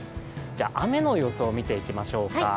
雨の予想を見ていきましょうか。